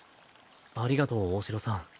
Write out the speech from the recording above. ありがとう大城さん。